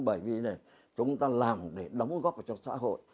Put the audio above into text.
bởi vì chúng ta làm để đóng góp cho xã hội